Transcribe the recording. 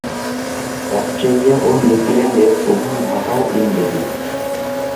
Australia ও নিউজিল্যান্ডের প্রধান ভাষাও ইংরেজি।